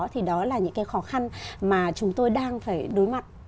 thì đó là những cái khó khăn mà chúng tôi đang phải đối mặt